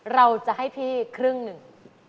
เราจะให้พี่ครึ่งหนึ่ง